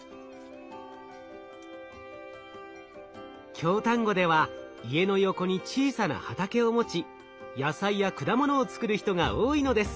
京丹後では家の横に小さな畑を持ち野菜や果物を作る人が多いのです。